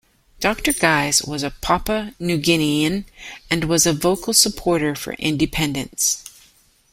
Dr. Guise was a Papua New Guinean and was a vocal supporter for independence.